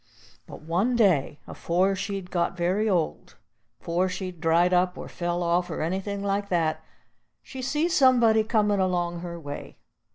But one day, afore she'd got very old, 'fore she'd dried up or fell off, or anything like that, she see somebody comin' along her way.